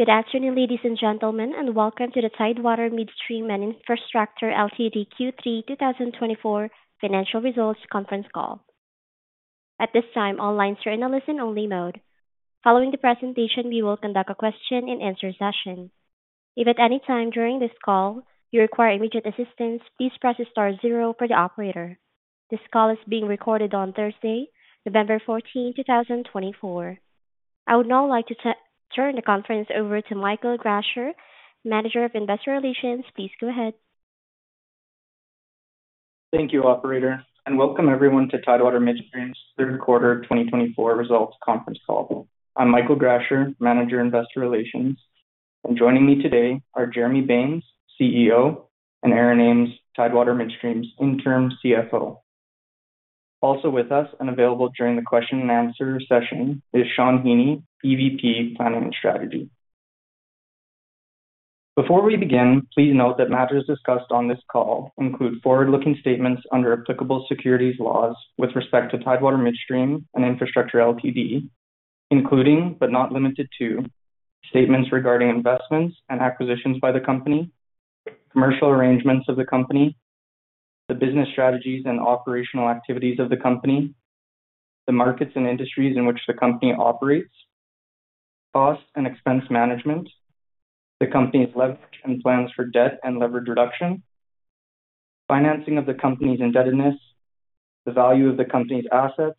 Good afternoon, ladies and gentlemen, and welcome to the Tidewater Midstream and Infrastructure Ltd. Q3 2024 Financial Results Conference Call. At this time, all lines are in a listen-only mode. Following the presentation, we will conduct a question-and-answer session. If at any time during this call you require immediate assistance, please press star zero for the operator. This call is being recorded on Thursday, November 14, 2024. I would now like to turn the conference over to Michael Gracher, Manager of Investor Relations. Please go ahead. Thank you, Operator, and welcome everyone to Tidewater Midstream's Third Quarter 2024 Results Conference Call. I'm Michael Gracher, Manager of Investor Relations, and joining me today are Jeremy Baines, CEO, and Aaron Ames, Tidewater Midstream's Interim CFO. Also with us and available during the question-and-answer session is Shawn Heaney, EVP Planning and Strategy. Before we begin, please note that matters discussed on this call include forward-looking statements under applicable securities laws with respect to Tidewater Midstream and Infrastructure Ltd., including but not limited to statements regarding investments and acquisitions by the company, commercial arrangements of the company, the business strategies and operational activities of the company, the markets and industries in which the company operates, cost and expense management, the company's leverage and plans for debt and leverage reduction, the financing of the company's indebtedness, the value of the company's assets,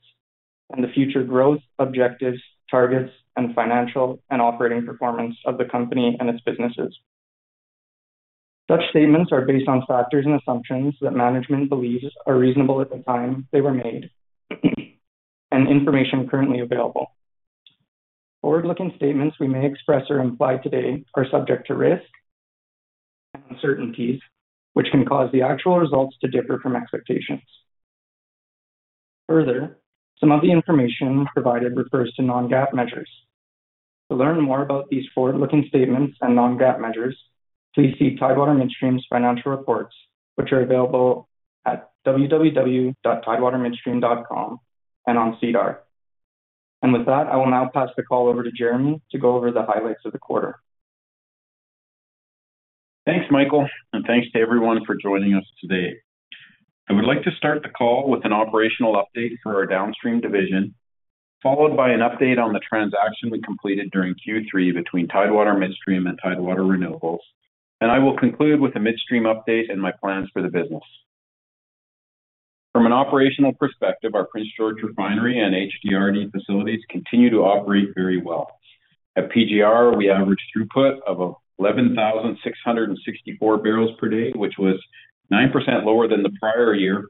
and the future growth objectives, targets, and financial and operating performance of the company and its businesses. Such statements are based on factors and assumptions that management believes are reasonable at the time they were made and information currently available. Forward-looking statements we may express or imply today are subject to risk and uncertainties, which can cause the actual results to differ from expectations. Further, some of the information provided refers to non-GAAP measures. To learn more about these forward-looking statements and non-GAAP measures, please see Tidewater Midstream's financial reports, which are available at www.tidewatermidstream.com and on SEDAR. And with that, I will now pass the call over to Jeremy to go over the highlights of the quarter. Thanks, Michael, and thanks to everyone for joining us today. I would like to start the call with an operational update for our downstream division, followed by an update on the transaction we completed during Q3 between Tidewater Midstream and Tidewater Renewables, and I will conclude with a midstream update and my plans for the business. From an operational perspective, our Prince George Refinery and HDRD facilities continue to operate very well. At PGR, we averaged throughput of 11,664 barrels per day, which was 9% lower than the prior year,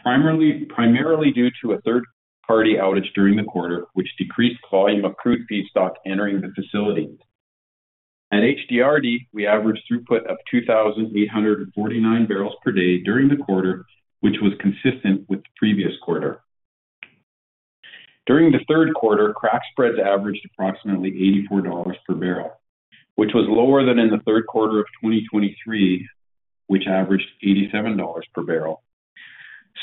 primarily due to a third-party outage during the quarter, which decreased the volume of crude feedstock entering the facility. At HDRD, we averaged throughput of 2,849 barrels per day during the quarter, which was consistent with the previous quarter. During the third quarter, crack spreads averaged approximately CAD 84 per barrel, which was lower than in the third quarter of 2023, which averaged 87 dollars per barrel.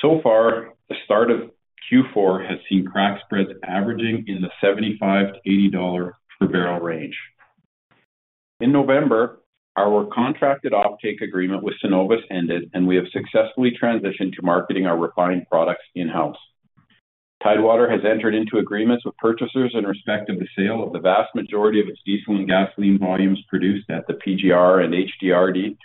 So far, the start of Q4 has seen crack spreads averaging in the 75-80 dollar per barrel range. In November, our contracted offtake agreement with Cenovus ended, and we have successfully transitioned to marketing our refined products in-house. Tidewater has entered into agreements with purchasers in respect of the sale of the vast majority of its diesel and gasoline volumes produced at the PGR and HDRD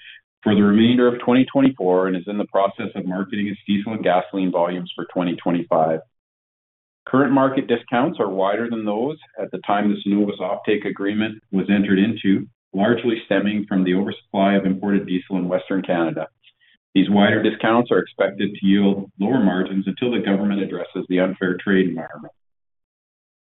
for the remainder of 2024 and is in the process of marketing its diesel and gasoline volumes for 2025. Current market discounts are wider than those at the time the Cenovus offtake agreement was entered into, largely stemming from the oversupply of imported diesel in Western Canada. These wider discounts are expected to yield lower margins until the government addresses the unfair trade environment.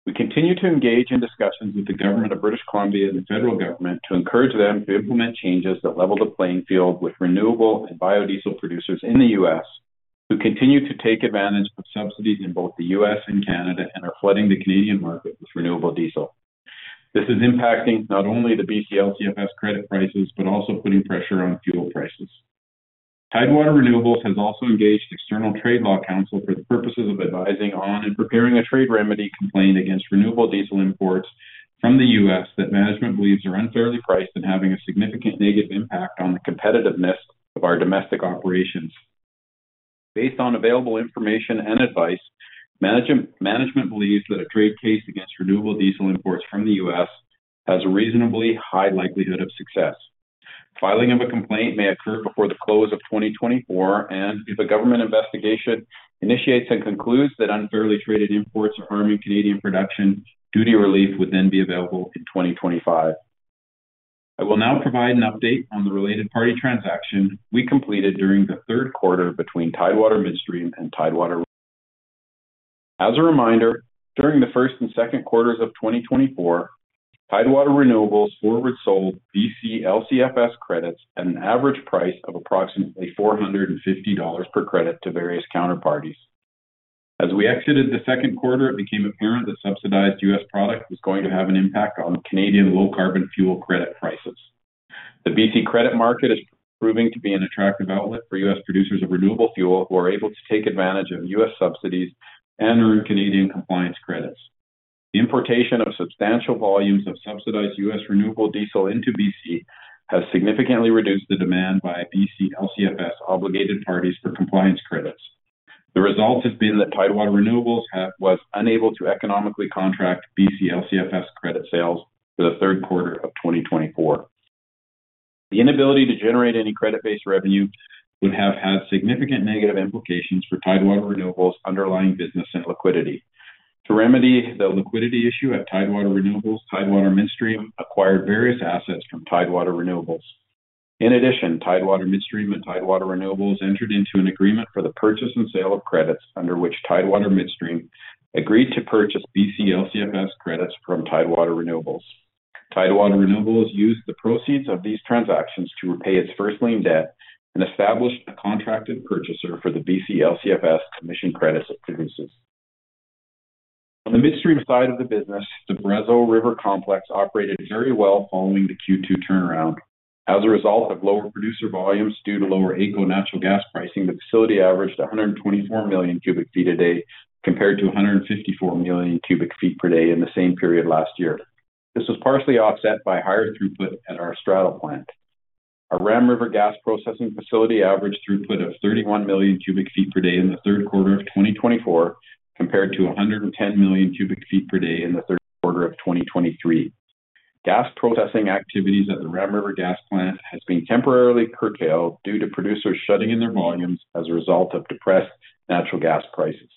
We continue to engage in discussions with the government of British Columbia and the federal government to encourage them to implement changes that level the playing field with renewable and biodiesel producers in the U.S. who continue to take advantage of subsidies in both the U.S. and Canada and are flooding the Canadian market with renewable diesel. This is impacting not only the BC LCFS credit prices but also putting pressure on fuel prices. Tidewater Renewables has also engaged external trade law counsel for the purposes of advising on and preparing a trade remedy complaint against renewable diesel imports from the U.S. that management believes are unfairly priced and having a significant negative impact on the competitiveness of our domestic operations. Based on available information and advice, management believes that a trade case against renewable diesel imports from the U.S. has a reasonably high likelihood of success. Filing of a complaint may occur before the close of 2024, and if a government investigation initiates and concludes that unfairly traded imports are harming Canadian production, duty relief would then be available in 2025. I will now provide an update on the related party transaction we completed during the third quarter between Tidewater Midstream and Tidewater Renewables. As a reminder, during the first and second quarters of 2024, Tidewater Renewables forward sold BC LCFS credits at an average price of approximately 450 dollars per credit to various counterparties. As we exited the second quarter, it became apparent that subsidized U.S. product was going to have an impact on Canadian low-carbon fuel credit prices. The BC credit market is proving to be an attractive outlet for U.S. producers of renewable fuel who are able to take advantage of U.S. subsidies and earn Canadian compliance credits. The importation of substantial volumes of subsidized U.S. renewable diesel into BC has significantly reduced the demand by BC LCFS obligated parties for compliance credits. The result has been that Tidewater Renewables was unable to economically contract BC LCFS credit sales for the third quarter of 2024. The inability to generate any credit-based revenue would have had significant negative implications for Tidewater Renewables' underlying business and liquidity. To remedy the liquidity issue at Tidewater Renewables, Tidewater Midstream acquired various assets from Tidewater Renewables. In addition, Tidewater Midstream and Tidewater Renewables entered into an agreement for the purchase and sale of credits under which Tidewater Midstream agreed to purchase BC LCFS credits from Tidewater Renewables. Tidewater Renewables used the proceeds of these transactions to repay its first lien debt and established a contracted purchaser for the BC LCFS compliance credits it produces. On the midstream side of the business, the Brazeau River Complex operated very well following the Q2 turnaround. As a result of lower producer volumes due to lower AECO natural gas pricing, the facility averaged 124 million cubic feet a day compared to 154 million cubic feet per day in the same period last year. This was partially offset by higher throughput at our Strachan Gas Plant. Our Ram River Gas Processing Facility averaged throughput of 31 million cubic feet per day in the third quarter of 2024 compared to 110 million cubic feet per day in the third quarter of 2023. Gas processing activities at the Ram River Gas Plant have been temporarily curtailed due to producers shutting in their volumes as a result of depressed natural gas prices.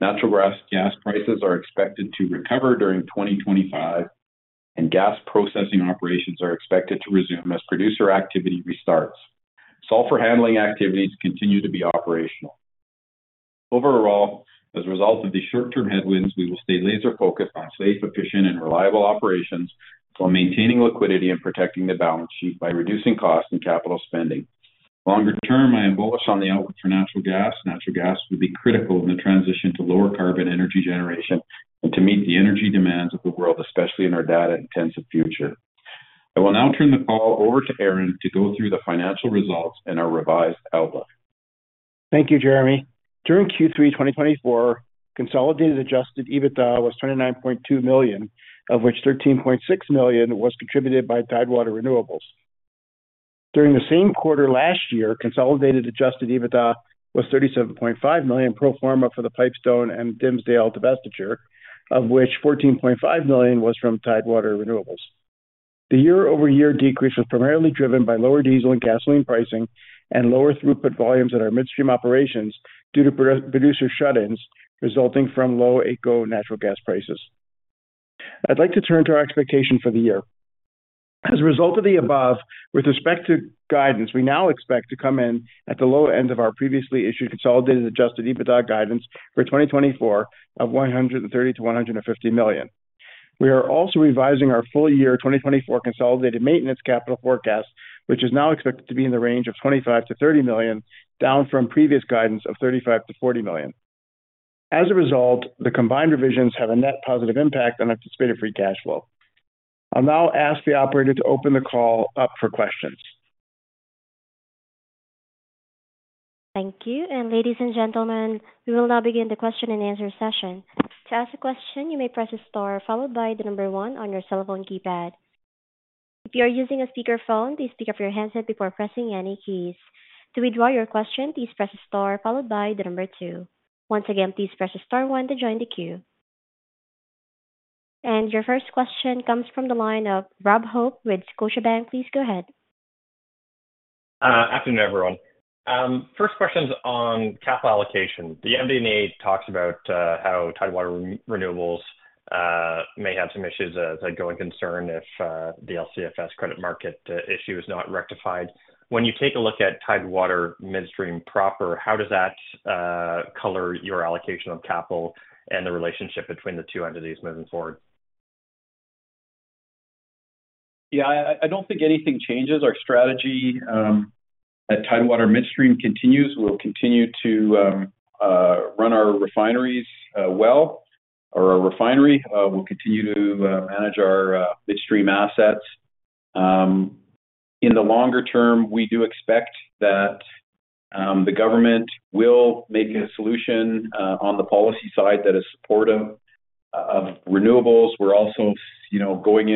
Natural gas prices are expected to recover during 2025, and gas processing operations are expected to resume as producer activity restarts. Sulfur handling activities continue to be operational. Overall, as a result of these short-term headwinds, we will stay laser-focused on safe, efficient, and reliable operations while maintaining liquidity and protecting the balance sheet by reducing costs and capital spending. Longer term, I am bullish on the outlook for natural gas. Natural gas will be critical in the transition to lower carbon energy generation and to meet the energy demands of the world, especially in our data-intensive future. I will now turn the call over to Aaron to go through the financial results and our revised outlook. Thank you, Jeremy. During Q3 2024, consolidated adjusted EBITDA was 29.2 million, of which 13.6 million was contributed by Tidewater Renewables. During the same quarter last year, consolidated adjusted EBITDA was 37.5 million pro forma for the Pipestone and Dimsdale divestiture, of which 14.5 million was from Tidewater Renewables. The year-over-year decrease was primarily driven by lower diesel and gasoline pricing and lower throughput volumes at our midstream operations due to producer shut-ins resulting from low AECO natural gas prices. I'd like to turn to our expectation for the year. As a result of the above, with respect to guidance, we now expect to come in at the low end of our previously issued consolidated adjusted EBITDA guidance for 2024 of 130-150 million. We are also revising our full-year 2024 consolidated maintenance capital forecast, which is now expected to be in the range of 25 million-30 million, down from previous guidance of 35 million-40 million. As a result, the combined revisions have a net positive impact on anticipated free cash flow. I'll now ask the operator to open the call up for questions. Thank you. Ladies and gentlemen, we will now begin the question-and-answer session. To ask a question, you may press star followed by the number one on your cell phone keypad. If you are using a speakerphone, please pick up your headset before pressing any keys. To withdraw your question, please press star followed by the number two. Once again, please press star one to join the queue. Your first question comes from the line of Rob Hope with Scotiabank. Please go ahead. Afternoon, everyone. First question's on capital allocation. The MD&A talks about how Tidewater Renewables may have some issues that going concern if the LCFS credit market issue is not rectified. When you take a look at Tidewater Midstream proper, how does that color your allocation of capital and the relationship between the two entities moving forward? Yeah, I don't think anything changes. Our strategy at Tidewater Midstream continues. We'll continue to run our refineries well or our refinery. We'll continue to manage our midstream assets. In the longer term, we do expect that the government will make a solution on the policy side that is supportive of renewables. We're also going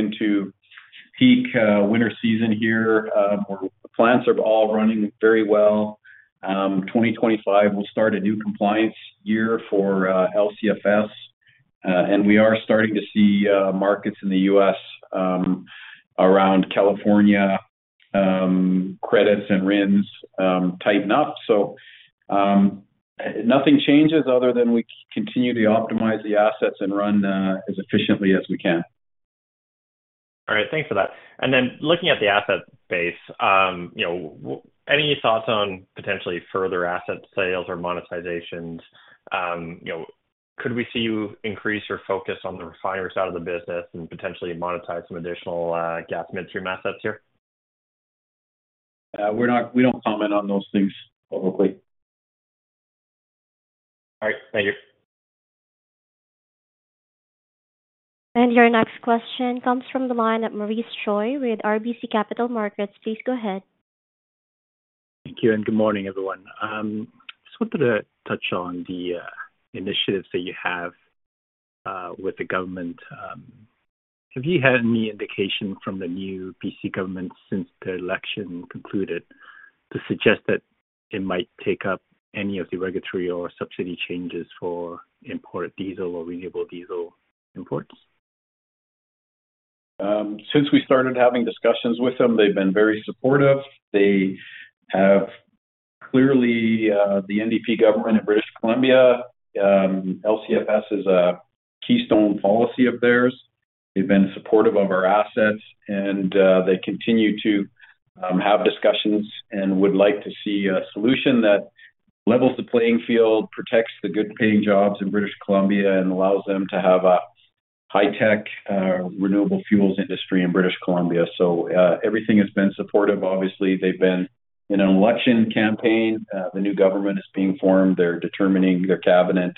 into peak winter season here. The plants are all running very well. 2025 will start a new compliance year for LCFS, and we are starting to see markets in the U.S. around California credits and RINs tighten up. So nothing changes other than we continue to optimize the assets and run as efficiently as we can. All right. Thanks for that. And then looking at the asset base, any thoughts on potentially further asset sales or monetizations? Could we see you increase your focus on the refineries side of the business and potentially monetize some additional gas midstream assets here? We don't comment on those things publicly. All right. Thank you. And your next question comes from the line of Maurice Choy with RBC Capital Markets. Please go ahead. Thank you, and good morning, everyone. I just wanted to touch on the initiatives that you have with the government. Have you had any indication from the new BC government since the election concluded to suggest that it might take up any of the regulatory or subsidy changes for imported diesel or renewable diesel imports? Since we started having discussions with them, they've been very supportive. They have clearly, the NDP government in British Columbia, LCFS is a keystone policy of theirs. They've been supportive of our assets, and they continue to have discussions and would like to see a solution that levels the playing field, protects the good-paying jobs in British Columbia, and allows them to have a high-tech renewable fuels industry in British Columbia, so everything has been supportive. Obviously, they've been in an election campaign. The new government is being formed. They're determining their cabinet,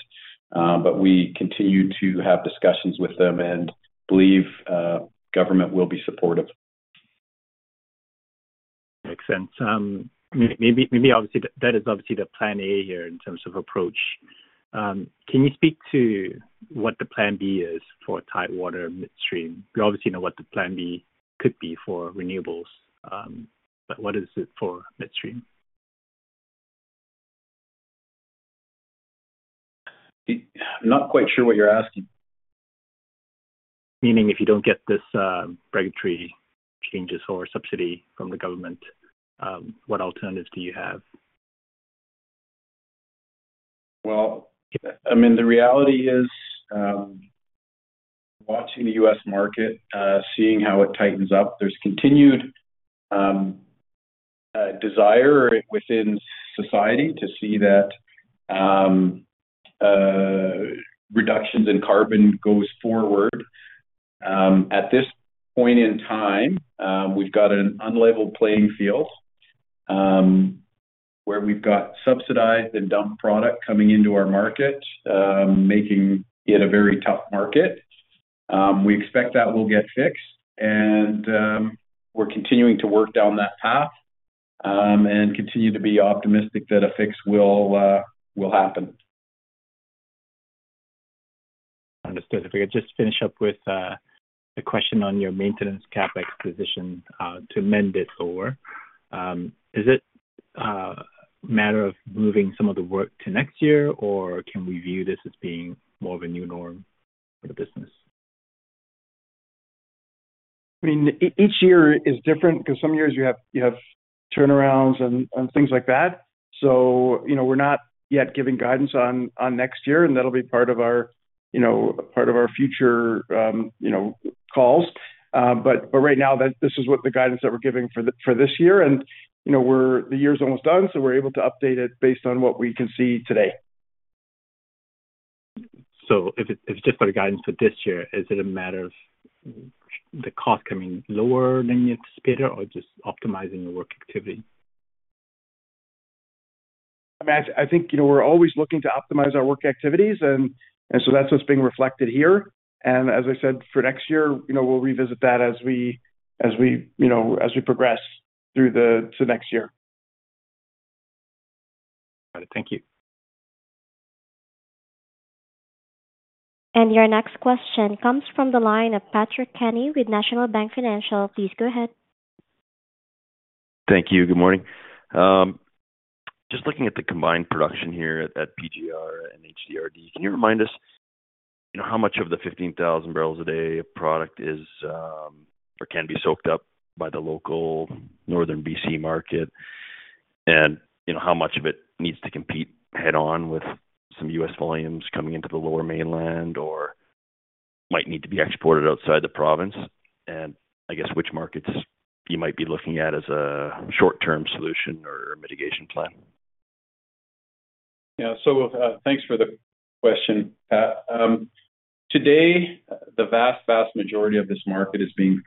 but we continue to have discussions with them and believe government will be supportive. Makes sense. Maybe that is obviously the plan A here in terms of approach. Can you speak to what the plan B is for Tidewater Midstream? We obviously know what the plan B could be for renewables, but what is it for midstream? I'm not quite sure what you're asking. Meaning if you don't get these regulatory changes or subsidy from the government, what alternatives do you have? Well, I mean, the reality is watching the U.S. market, seeing how it tightens up. There's continued desire within society to see that reductions in carbon go forward. At this point in time, we've got an unlevel playing field where we've got subsidized and dumped product coming into our market, making it a very tough market. We expect that will get fixed, and we're continuing to work down that path and continue to be optimistic that a fix will happen. Understood. If we could just finish up with a question on your maintenance CapEx position to end it over. Is it a matter of moving some of the work to next year, or can we view this as being more of a new norm for the business? I mean, each year is different because some years you have turnarounds and things like that. So we're not yet giving guidance on next year, and that'll be part of our future calls. But right now, this is what the guidance that we're giving for this year, and the year's almost done, so we're able to update it based on what we can see today. So if it's just for the guidance for this year, is it a matter of the cost coming lower than you anticipated or just optimizing your work activity? I mean, I think we're always looking to optimize our work activities, and so that's what's being reflected here, and as I said, for next year, we'll revisit that as we progress through to next year. Got it. Thank you. Your next question comes from the line of Patrick Kenny with National Bank Financial. Please go ahead. Thank you. Good morning. Just looking at the combined production here at PGR and HDRD, can you remind us how much of the 15,000 barrels a day of product is or can be soaked up by the local northern BC market, and how much of it needs to compete head-on with some US volumes coming into the lower mainland or might need to be exported outside the province? And I guess which markets you might be looking at as a short-term solution or mitigation plan? Yeah. So thanks for the question. Today, the vast, vast majority of this market is being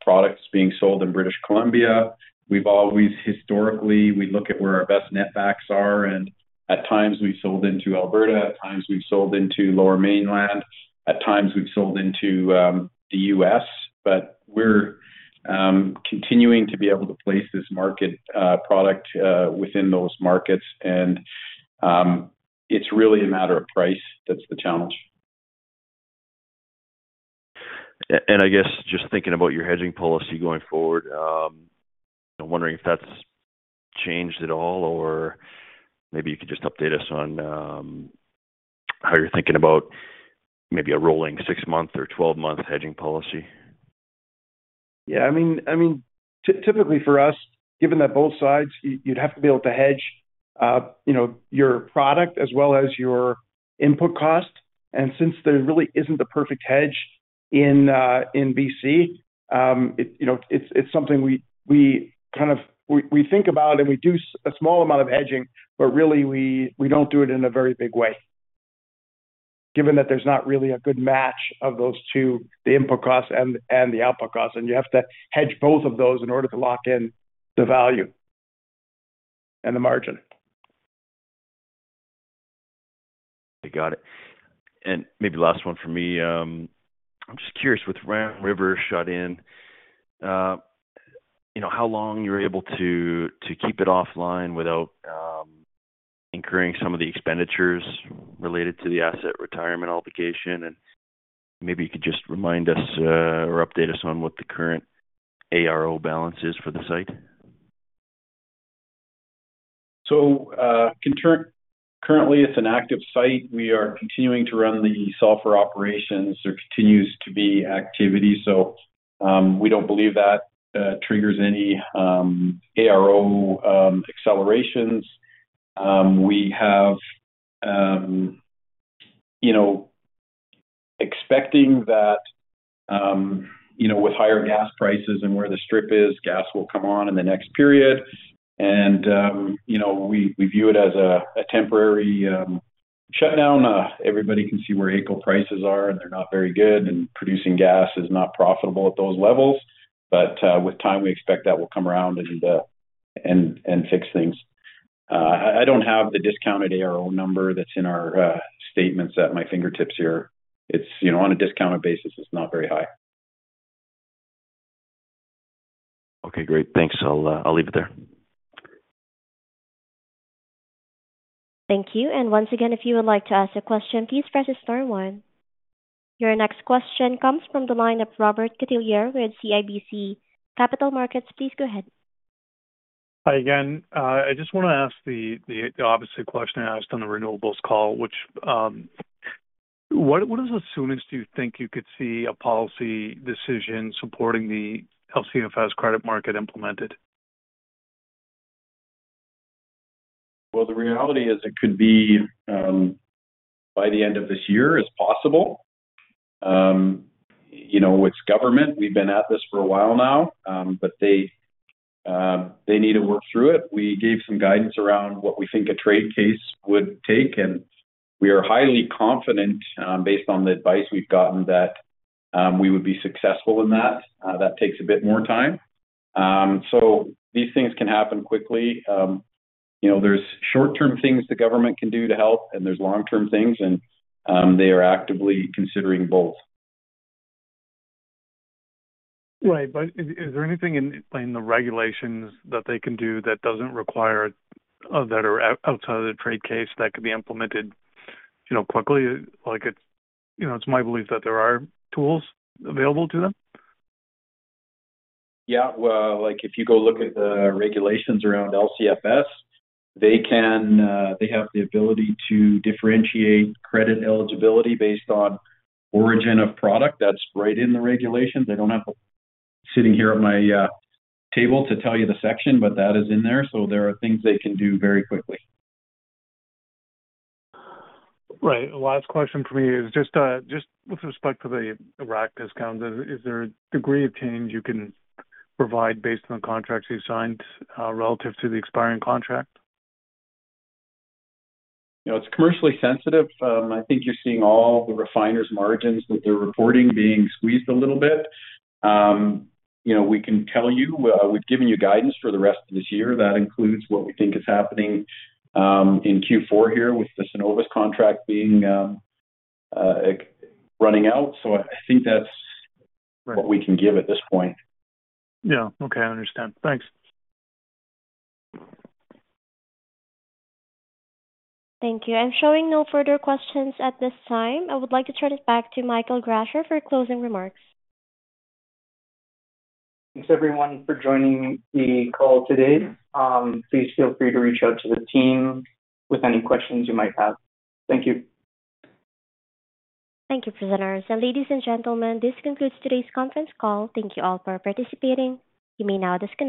products being sold in British Columbia. We've always historically, we look at where our best netbacks are, and at times we've sold into Alberta, at times we've sold into Lower Mainland, at times we've sold into the U.S., but we're continuing to be able to place this market product within those markets, and it's really a matter of price that's the challenge. I guess just thinking about your hedging policy going forward, I'm wondering if that's changed at all, or maybe you could just update us on how you're thinking about maybe a rolling six-month or 12-month hedging policy. Yeah. I mean, typically for us, given that both sides, you'd have to be able to hedge your product as well as your input cost. And since there really isn't a perfect hedge in BC, it's something we kind of think about, and we do a small amount of hedging, but really we don't do it in a very big way, given that there's not really a good match of those two, the input cost and the output cost. And you have to hedge both of those in order to lock in the value and the margin. You got it. And maybe last one for me. I'm just curious with Ram River shut in, how long you're able to keep it offline without incurring some of the expenditures related to the asset retirement obligation? And maybe you could just remind us or update us on what the current ARO balance is for the site? Currently, it's an active site. We are continuing to run the sulfur operations. There continues to be activity. We don't believe that triggers any ARO accelerations. We have expecting that with higher gas prices and where the strip is, gas will come on in the next period. We view it as a temporary shutdown. Everybody can see where AECO prices are, and they're not very good, and producing gas is not profitable at those levels. With time, we expect that will come around and fix things. I don't have the discounted ARO number that's in our statements at my fingertips here. On a discounted basis, it's not very high. Okay. Great. Thanks. I'll leave it there. Thank you. And once again, if you would like to ask a question, please press star one. Your next question comes from the line of Robert Catellier with CIBC Capital Markets. Please go ahead. Hi again. I just want to ask the obvious question I asked on the renewables call, which, what is the soonest you think you could see a policy decision supporting the LCFS credit market implemented? The reality is it could be by the end of this year as possible. It's government. We've been at this for a while now, but they need to work through it. We gave some guidance around what we think a trade case would take, and we are highly confident, based on the advice we've gotten, that we would be successful in that. That takes a bit more time. These things can happen quickly. There's short-term things the government can do to help, and there's long-term things, and they are actively considering both. Right. But is there anything in the regulations that they can do that doesn't require that are outside of the trade case that could be implemented quickly? It's my belief that there are tools available to them. Yeah. Well, if you go look at the regulations around LCFS, they have the ability to differentiate credit eligibility based on origin of product. That's right in the regulations. I don't have them sitting here at my table to tell you the section, but that is in there. So there are things they can do very quickly. Right. Last question for me is just with respect to the rack discounts, is there a degree of change you can provide based on the contracts you signed relative to the expiring contract? It's commercially sensitive. I think you're seeing all the refineries' margins that they're reporting being squeezed a little bit. We can tell you. We've given you guidance for the rest of this year. That includes what we think is happening in Q4 here with the Cenovus contract running out. So I think that's what we can give at this point. Yeah. Okay. I understand. Thanks. Thank you. I'm showing no further questions at this time. I would like to turn it back to Michael Gracher for closing remarks. Thanks, everyone, for joining the call today. Please feel free to reach out to the team with any questions you might have. Thank you. Thank you, presenters, and ladies and gentlemen. This concludes today's conference call. Thank you all for participating. You may now disconnect.